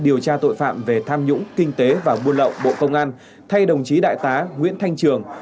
điều tra tội phạm về tham nhũng kinh tế và buôn lậu bộ công an thay đồng chí đại tá nguyễn thanh trường